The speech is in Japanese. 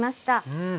うん。